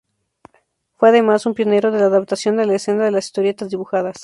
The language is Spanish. Fue además un pionero de la adaptación a la escena de las historietas dibujadas.